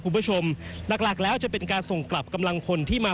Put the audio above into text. คุณผู้ชมหลักหลากแล้วจะเป็นการส่งกลับกำลังคนที่มา